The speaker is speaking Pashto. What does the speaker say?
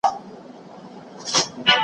د طلا او جواهر حساب به کیږي .